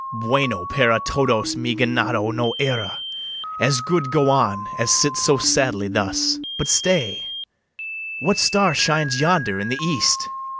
BARABAS. Bueno para todos mi ganado no era: As good go on, as sit so sadly thus. But stay: what star shines yonder in the east?